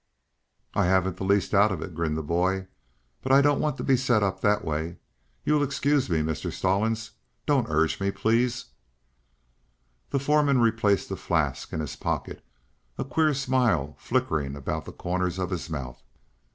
"I haven't the least doubt of it," grinned the boy. "But I don't want to be set up that way. You'll excuse me, Mr. Stallings. Don't urge me, please." The foreman replaced the flask in his pocket, a queer smile flickering about the corners of his mouth.